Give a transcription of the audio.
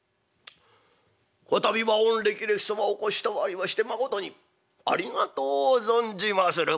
「こたびは御歴々様お越し賜りましてまことにありがとう存じまする」。